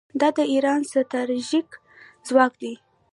دا د ایران ستراتیژیک ځواک دی.